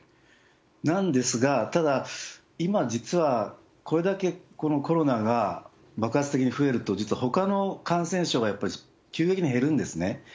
なんですが、ただ、今、実は、これだけこのコロナが爆発的に増えると、実はほかの感染症が、やっぱり急激に減るんですね。